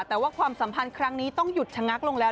แต่ว่าความสัมพันธ์ครั้งนี้ต้องหยุดชะงักลงแล้ว